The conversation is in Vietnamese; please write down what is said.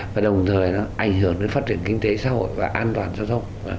và đồng thời nó ảnh hưởng đến phát triển kinh tế xã hội và an toàn giao thông